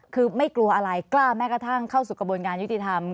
คือไม่กลัวอะไรกล้าแม้กระทั่งเข้าสู่กระบวนการยุติธรรม